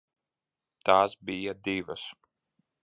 Tās bija divas.